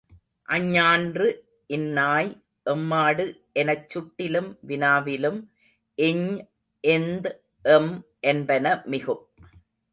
அஞ்ஞான்று, இந்நாய், எம்மாடு எனச் சுட்டிலும் வினாவிலும் ஞ், ந், ம் என்பன மிகும்.